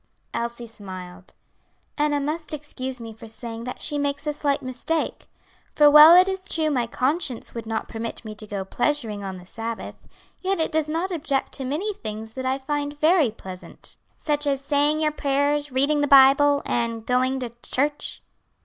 Elsie smiled. "Enna must excuse me for saying that she makes a slight mistake; for while it is true my conscience would not permit me to go pleasuring on the Sabbath, yet it does not object to many things that I find very pleasant." "Such as saying your prayers, reading the Bible, and going to church?"